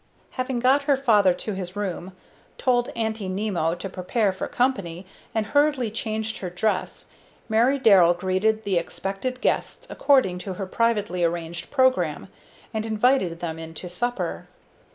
Having got her father to his room, told Aunty Nimmo to prepare for company, and hurriedly changed her dress, Mary Darrell greeted the expected guests according to her privately arranged programme, and invited them in to supper.